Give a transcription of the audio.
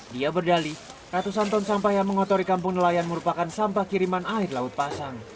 dia berdali ratusan ton sampah yang mengotori kampung nelayan merupakan sampah kiriman air laut pasang